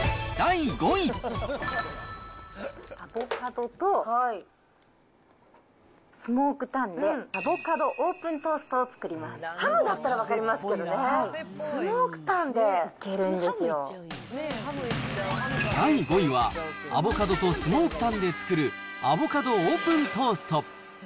第５位は、アボカドとスモークタンで作る、アボカドオープントースト。